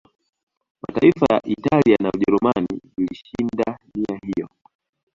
Mataifa ya Italia na Ujerumani vilishinda nia hiyo